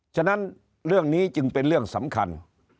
ฉะนั้นเรื่องนี้จึงเป็นเรื่องสำคัญ